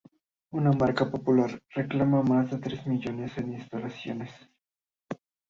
Una marca popular reclama más de tres millones de instalaciones.